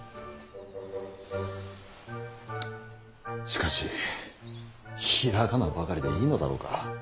しかし平仮名ばかりでいいのだろうか。